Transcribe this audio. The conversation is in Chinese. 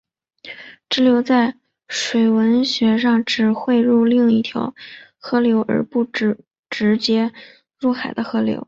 支流在水文学上指汇入另一条河流而不直接入海的河流。